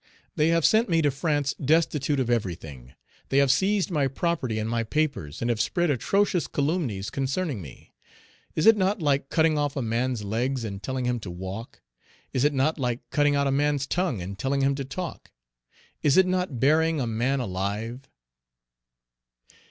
They have sent me to France destitute of everything; they have seized my property and my papers, and have spread atrocious calumnies concerning me. Is it not like cutting off a man's legs and telling him to walk? Is it not like cutting out a man's tongue and telling him to talk? Is it not burying a man alive?